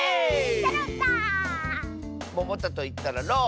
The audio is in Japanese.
「ももた」といったら「ろう」！